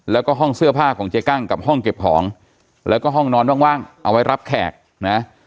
แล้วก็ห้องเสื้อผ้าของเจ๊กั้งกับห้องเก็บของแล้วก็ห้องนอนว่างเอาไว้รับแขกนะ